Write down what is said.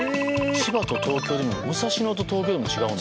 千葉と東京でもむさしのと東京でも違うの？